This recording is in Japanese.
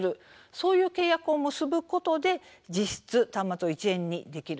こういう契約を結ぶことで実質、端末の価格を１円にできる